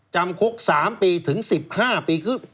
จำคุก๓ปีถึง๑๕ปีคือ